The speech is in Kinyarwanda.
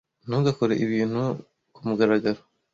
Ntugakore ibintu kumugaragaro.